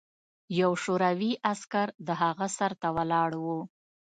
یو شوروي عسکر د هغه سر ته ولاړ و